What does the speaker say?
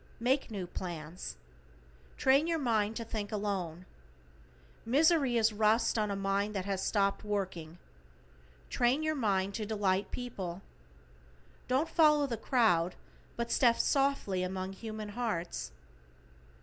Make new plans. Train your mind to think alone. Misery is rust on a mind that has stopped working. Train your mind to delight people. Don't follow the crowd, but step softly among human hearts.